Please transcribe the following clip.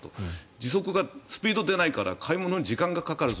時速がスピードが出ないから買い物に行けないと。